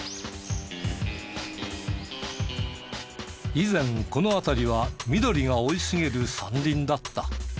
以前この辺りは緑が生い茂る山林だった。